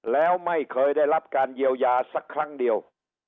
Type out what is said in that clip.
แล้วไม่เคยได้รับการเยียวยาสักครั้งเดียว